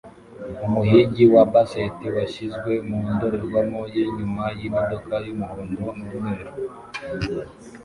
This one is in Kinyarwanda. Umuhigi wa basset washyizwe mu ndorerwamo yinyuma yimodoka yumuhondo numweru